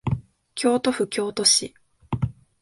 京都府京都市